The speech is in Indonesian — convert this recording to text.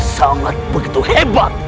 sangat begitu hebat